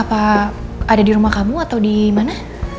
apa ada di rumah kamu atau di mana